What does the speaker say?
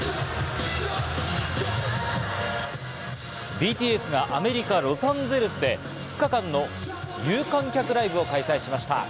ＢＴＳがアメリカ・ロサンゼルスで２日間の有観客ライブを開催しました。